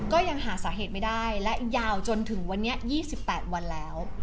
ก็ยังหาสาเหตุไม่ได้และยาวจนถึงวันนี้๒๘วันแล้ว